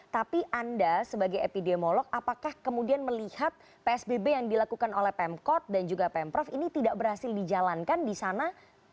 tapi anda sebagai epidemiolog apakah kemudian melihat psbb yang dilakukan oleh pemkot dan juga pemprov ini tidak berhasil dijalankan di sana